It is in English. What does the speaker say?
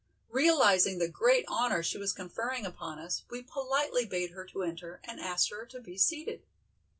Realizing the great honor she was conferring upon us, we politely bade her to enter and asked her to be seated.